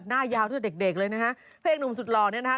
หน้ายาวทั้งแต่เด็กเลยนะฮะเพลงนุ่มสุดหล่อเนี่ยนะฮะ